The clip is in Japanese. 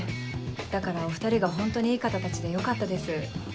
だからお２人がホントにいい方たちでよかったです。